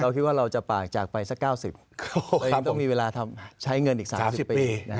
คิดว่าเราจะปากจากไปสัก๙๐เรายังต้องมีเวลาใช้เงินอีก๓๐ปี